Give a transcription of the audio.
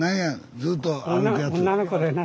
ずっと歩くやつ。